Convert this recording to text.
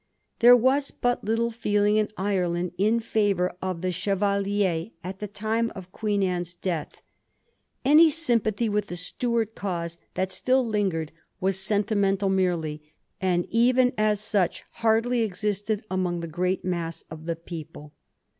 There was but little feeling in Ireland in favour of the Chevalier at the time of Queen Anne's death. Any sympathy with the Stuart cause that still lingered was sentimental merely, and even os such hardly existed among the great mass of the people.